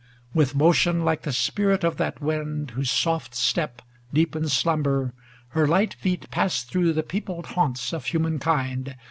LX With motion like the spirit of that wind Whose soft step deepens slumber, her light feet Passed through the peopled haunts of hu mankind.